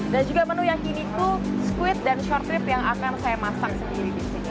dan juga menu yakimiku squid dan short rib yang akan saya masak sendiri di sini